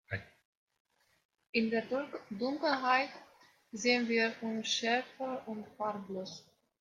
In der Dunkelheit sehen wir unschärfer und farblos.